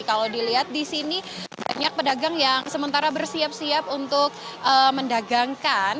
kalau dilihat di sini banyak pedagang yang sementara bersiap siap untuk mendagangkan